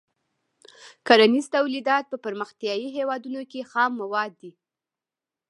کرنیز تولیدات په پرمختیايي هېوادونو کې خام مواد دي.